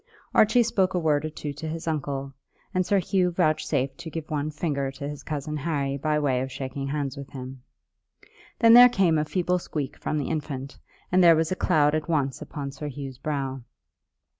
Archie spoke a word or two to his uncle, and Sir Hugh vouchsafed to give one finger to his cousin Harry by way of shaking hands with him. Then there came a feeble squeak from the infant, and there was a cloud at once upon Sir Hugh's brow.